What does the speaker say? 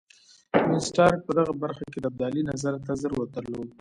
وینسیټارټ په دغه برخه کې د ابدالي نظر ته ضرورت درلود.